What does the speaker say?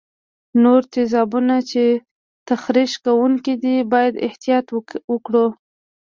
نور تیزابونه چې تخریش کوونکي دي باید احتیاط وکړو.